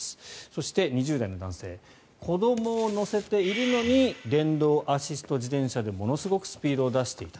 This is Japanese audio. そして、２０代の男性子どもを乗せているのに電動アシスト自転車でものすごくスピードを出していた。